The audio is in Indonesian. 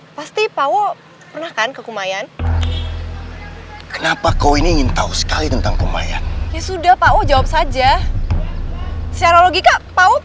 instingku mengatakan ada manusia harimau